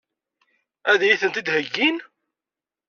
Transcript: Ad iyi-tent-id-heggin?